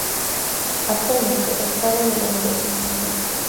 Actualmente, el Cabo de la Vela es un destino turístico.